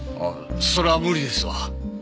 それは無理ですわ。